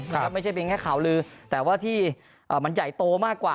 ไม่ใช่เป็นแค่ข่าวลือแต่ว่าที่มันใหญ่โตมากกว่า